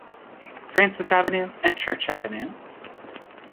Francis Avenue and Church Avenue.